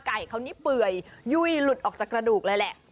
ไก่เขานี่เปื่อยยุ่ยหลุดออกจากกระดูกเลยแหละ